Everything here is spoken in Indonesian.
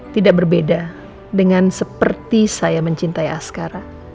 tidak berbeda dengan seperti saya mencintai askara